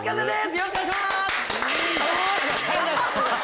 よろしくお願いします！